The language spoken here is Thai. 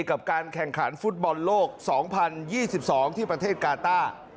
กับการแข่งขันฟุตบอลโลก๒๐๒๒ที่ประเทศกาต้า